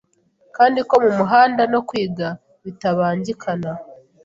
Kandi ko mumuhanda no kwiga bitabangikana